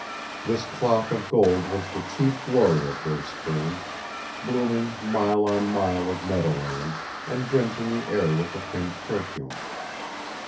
This cloth of gold was the chief glory of their spring, blooming mile on mile of meadowland, and drenching the air with a faint perfume.